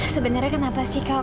sebenarnya kenapa sih kak